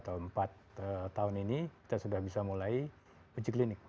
pada kuartal ke tiga atau ke empat tahun ini kita sudah bisa mulai uji klinis